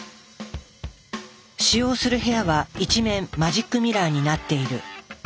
使用する部屋は一面マジックミラーになっている。